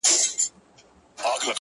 پر ده به نو ايله پدر لعنت له مينې ژاړي!!